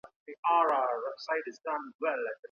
د ناروغانو لیږدولو لپاره لفټ سته؟